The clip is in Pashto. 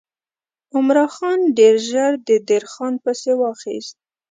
عمرا خان ډېر ژر د دیر خان پسې واخیست.